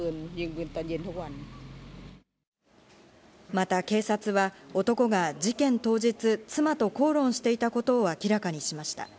また警察は、男が事件当日、妻と口論していたことを明らかにしました。